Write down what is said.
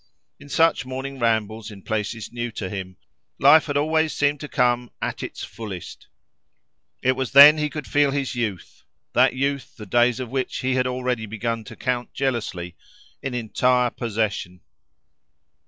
In such morning rambles in places new to him, life had always seemed to come at its fullest: it was then he could feel his youth, that youth the days of which he had already begun to count jealously, in entire possession.